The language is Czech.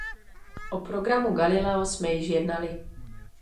O programu Galileo jsme již jednali.